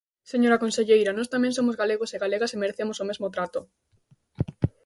Señora conselleira, nós tamén somos galegos e galegas e merecemos o mesmo trato.